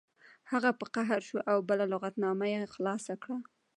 هغه په قهر شو او بله لغتنامه یې خلاصه کړه